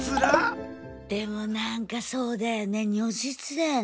でもなんかそうだよね如実だよね。